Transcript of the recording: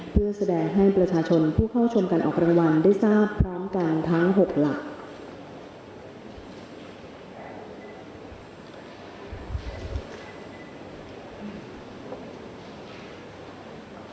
เพื่อแสดงให้ประชาชนผู้เข้าชมการออกรางวัลได้ทราบพร้อมกันทั้ง๖หลัก